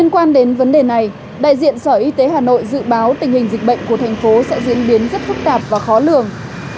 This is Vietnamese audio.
quan đến vấn đề này đại diện sở y tế hà nội dự báo tình hình dịch bệnh của thành phố sẽ diễn biến rất phức tạp và khó lường